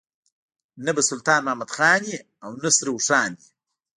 نه به سلطان محمد خان وي او نه سره اوښان وي.